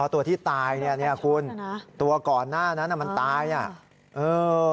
อ๋อตัวที่ตายนี่นะคุณตัวก่อนหน้านั้นมันตายนี่